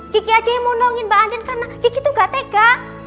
kiki aja yang mau nolongin mbak andi karena kiki tuh gak tega